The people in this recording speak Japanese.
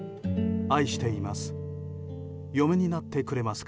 愛しています。